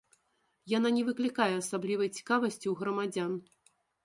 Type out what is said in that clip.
Яна не выклікае асаблівай цікавасці ў грамадзян.